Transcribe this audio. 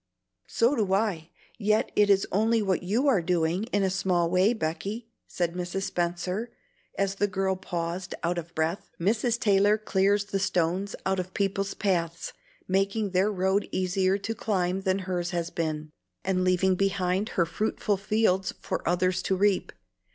"So do I, yet it is only what you are doing in a small way, Becky," said Mrs. Spenser, as the girl paused out of breath. "Mrs. Taylor clears the stones out of people's paths, making their road easier to climb than hers has been, and leaving behind her fruitful fields for others to reap.